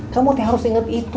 kamu harus inget itu